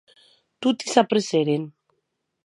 Toti s’apressèren.